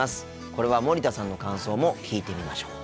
これは森田さんの感想も聞いてみましょう。